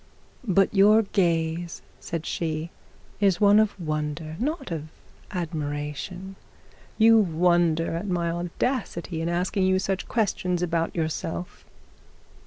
'But your gaze,' said she, 'is one of wonder, and not of admiration. You wonder at my audacity in asking you such questions about yourself.'